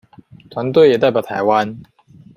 團隊也代表臺灣